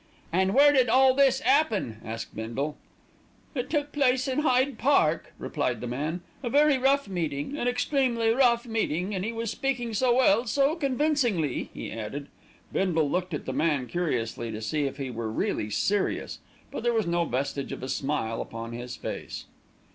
"An' where did all this 'appen?" asked Bindle. "It took place in Hyde Park," replied the man. "A very rough meeting, an extremely rough meeting, and he was speaking so well, so convincingly," he added. Bindle looked at the man curiously to see if he were really serious; but there was no vestige of a smile upon his face.